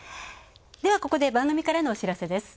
ここで番組からのお知らせです。